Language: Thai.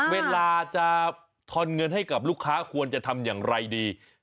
เวลาจะทอนเงินให้กับลูกค้าควรจะทำอย่างไรดี